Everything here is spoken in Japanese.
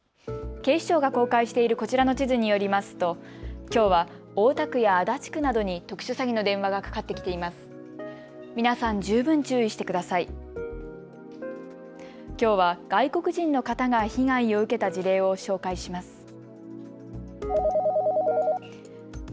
警視庁が公開しているこちらの地図によりますときょうは大田区や足立区などに特殊詐欺の電話がかかってきています。